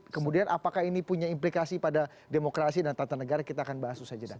kemudian apakah ini punya implikasi pada demokrasi dan tata negara kita akan bahas usaha jeda